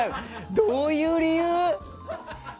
どういう理由？